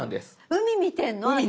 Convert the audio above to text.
海見てんの私？